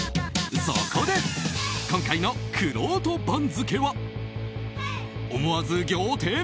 そこで、今回のくろうと番付は思わず仰天！